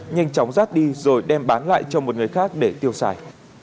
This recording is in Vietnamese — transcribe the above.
nhanh chóng rát đi rồi đem bán lại cho một người khác để tiêu xài